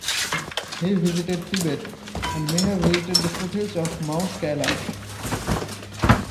He visited Tibet and may have visited the foothills of Mount Kailas.